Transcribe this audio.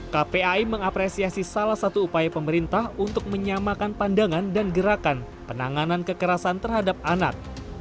kpai mengapresiasi salah satu upaya pemerintah untuk menyamakan pandangan dan gerakan penanganan kekerasan terhadap anak